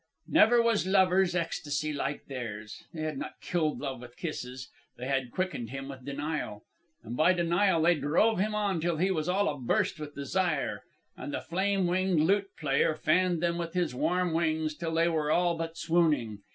"Never was lovers' ecstasy like theirs. They had not killed Love with kisses. They had quickened him with denial. And by denial they drove him on till he was all aburst with desire. And the flame winged lute player fanned them with his warm wings till they were all but swooning.